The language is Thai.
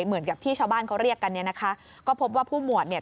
เหมือนกับที่ชาวบ้านเขาเรียกกันเนี่ยนะคะก็พบว่าผู้หมวดเนี่ย